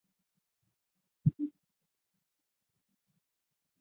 商品也有制成钠盐乙酰唑胺钠盐的。